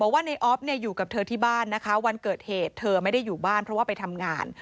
บอกว่านายอ๊อฟอยู่กับเธอวันเกิดเหตุนาย้าไม่ได้อยู่บ้านเพราะไปทำงาน